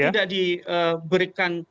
kalau tidak diberikan